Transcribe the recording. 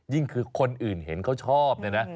คือคนอื่นเห็นเขาชอบเนี่ยนะ